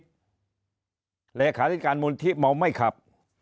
หรือขาดิจการมูลที่หมอไม่ขับ